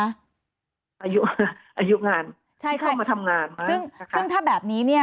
อายุอายุงานใช่ค่ะเข้ามาทำงานซึ่งซึ่งถ้าแบบนี้เนี่ย